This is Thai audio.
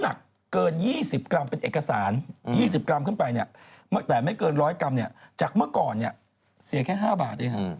ละคานี้ยังอยู่ในความทรงจำของพวกเรา